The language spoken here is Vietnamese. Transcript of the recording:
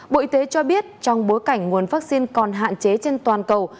bộ y tế cho biết trong bối cảnh nguồn vaccine còn hạn chế trên toàn cầu